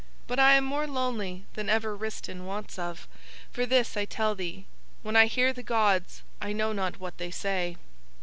But I am more lonely than ever Rhistaun wots of, for this I tell thee, when I hear the gods I know not what They say.